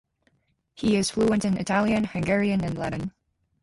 He is fluent in Italian, Hungarian and Latin.